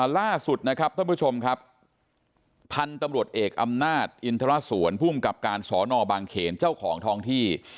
ล่าสุดนะครับท่านผู้ชมครับพันธุ์ตำรวจเอกอำนาจอินทรสวนภูมิกับการสอนอบางเขนเจ้าของท้องที่